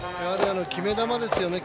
決め球ですよね。